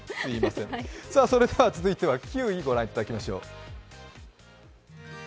それでは続いては９位、御覧いただきましょう。